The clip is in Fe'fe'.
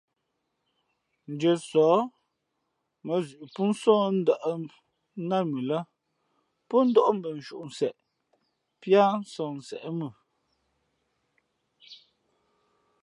Ndʉ̄αsǒh mά zʉʼ pó nsoh ndα̌ nát mʉ lά pó ndóʼ mbh nshúnseʼ píá sohnsěʼ mʉ.